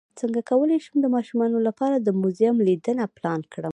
څنګه کولی شم د ماشومانو لپاره د موزیم لیدنه پلان کړم